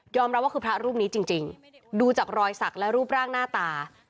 รับว่าคือพระรูปนี้จริงดูจากรอยสักและรูปร่างหน้าตา